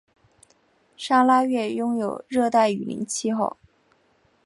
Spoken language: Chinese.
砂拉越拥有热带雨林气候。